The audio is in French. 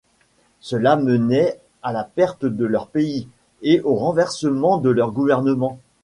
Cela menait à la perte de leur pays et au renversement de leur gouvernement.